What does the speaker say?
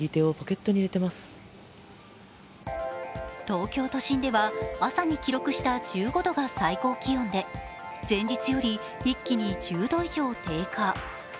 東京都心では朝に記録した１５度が最高気温で前日より一気に１０度以上低下。